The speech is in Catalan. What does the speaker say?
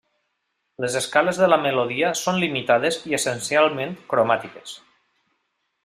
Les escales de la melodia són limitades i essencialment cromàtiques.